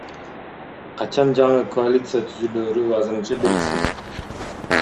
Качан жаңы коалиция түзүлөөрү азырынча белгисиз.